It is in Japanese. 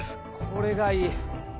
これがいい！